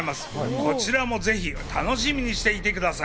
こちらもぜひ楽しみにしていてください。